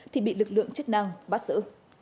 thì bị lực lượng chức năng bắt giữ